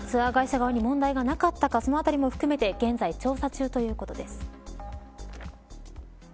ツアー会社側に問題がなかったかそのあたりも含めて現在調査中ということです。